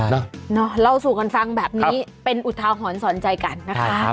เล่าสู่กันฟังแบบนี้เป็นอุทาหรณ์สอนใจกันนะคะ